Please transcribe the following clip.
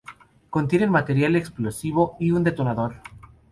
Contienen material explosivo y un detonador.